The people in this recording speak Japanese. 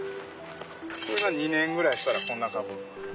これが２年ぐらいしたらこんな株。